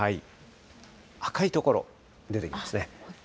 赤い所出てきますね。